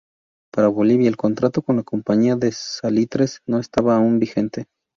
Para Bolivia el contrato con la Compañía de Salitres no estaba aun vigente.